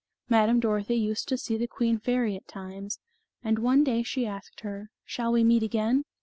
Madame Dorothy used to see the queen fairy at times, and one day she asked her, "Shall we meet again?"